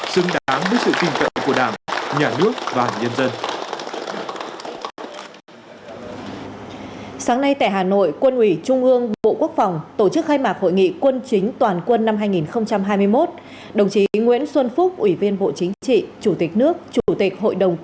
xứng đáng với sự kinh cận của đảng nhà nước và nhân dân